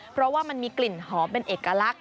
เพราะว่ามันมีกลิ่นหอมเป็นเอกลักษณ